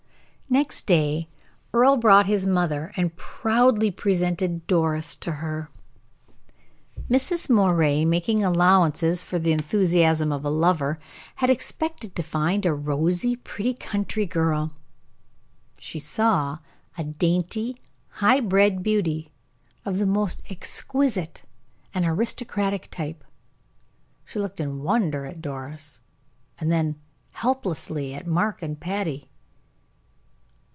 Next day Earle brought his mother, and proudly presented Doris to her. Mrs. Moray, making allowances for the enthusiasm of a lover, had expected to find a rosy, pretty country girl. She saw a dainty, high bred beauty, of the most exquisite and aristocratic type. She looked in wonder at Doris, then helplessly at Mark and Patty.